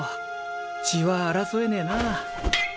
血は争えねぇな。